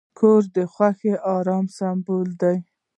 کور د خوښۍ او آرام سمبول دی.